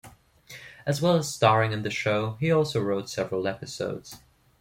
As well as starring in the show, he also wrote several episodes.